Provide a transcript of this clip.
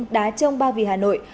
đá trông ba vì hà nội